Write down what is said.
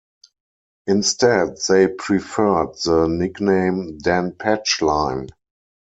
Instead, they preferred the nickname Dan Patch Line.